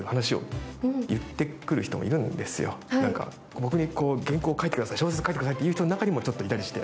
僕に原稿を書いてください、小説を書いてくださいと言う人にもちょっといたりして。